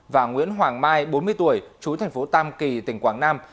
và nguyễn hoàng mai bốn mươi tuổi chú thành phố tam kỳ tỉnh quảng nam